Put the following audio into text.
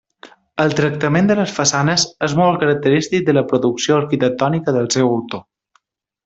El tractament de les façanes és molt característic de la producció arquitectònica del seu autor.